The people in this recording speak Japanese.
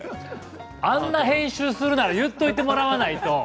あんな編集するなら言うといてもらわないと。